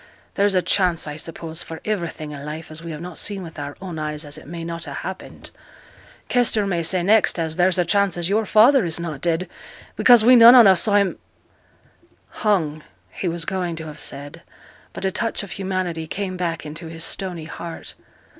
'There's a chance, I suppose, for iverything i' life as we have not seen with our own eyes as it may not ha' happened. Kester may say next as there's a chance as your father is not dead, because we none on us saw him ' 'Hung,' he was going to have said, but a touch of humanity came back into his stony heart.